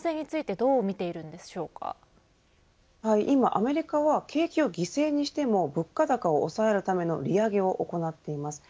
はい、今アメリカは景気を犠牲にしても物価高を抑えるための利上げを行っています。